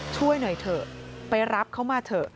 ช่วยหน่อยเถอะไปรับเขามาเถอะ